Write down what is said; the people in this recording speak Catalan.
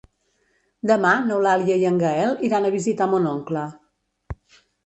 Demà n'Eulàlia i en Gaël iran a visitar mon oncle.